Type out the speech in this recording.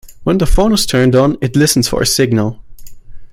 When the phone is turned on, it listens for a signal.